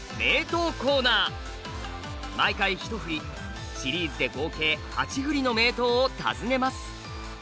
毎回１振りシリーズで合計８振りの名刀を訪ねます。